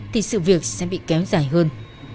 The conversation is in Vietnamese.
thì sự việc sẽ bị kéo dài hơn